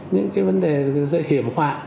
những cái vấn đề hiểm họa